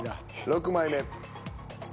６枚目。